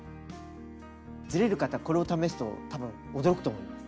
ずれる方これを試すと多分驚くと思います。